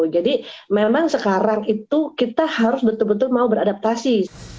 jadi memang sekarang itu kita harus betul betul mau beradaptasi